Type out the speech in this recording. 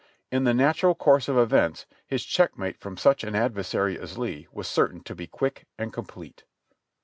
In the natural course of events his checkmate from such an adversary as Lee was certain to be quick and complete.